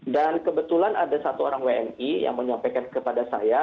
dan kebetulan ada satu orang wni yang menyampaikan kepada saya